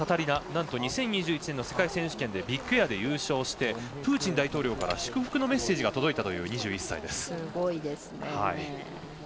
なんと２０２１年の世界選手権でビッグエアで優勝してプーチン大統領から祝福のメッセージが届いたという２１歳です。